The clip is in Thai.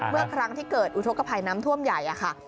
เมื่อครั้งที่เกิดอุทธกภัยน้ำท่วมใหญ่ค่ะ